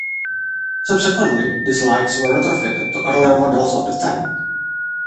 Subsequently, these lights were retrofitted to earlier models of the tank.